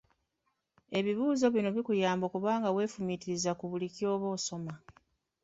Ebibuuzo bino bikuyamba okuba nga weefumiitiriza ku buli ky'oba osoma.